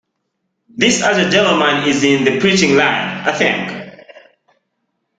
This other gentleman is in the preaching line, I think?